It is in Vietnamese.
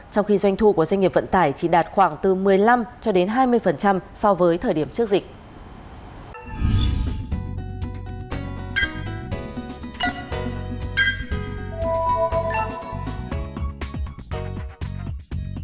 trong khi doanh thu của doanh nghiệp vận tải chỉ đạt khoảng từ một mươi năm cho đến hai mươi so với thời điểm trước dịch